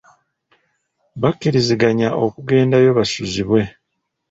Bakkiriziganya okugendayo basuzibwe.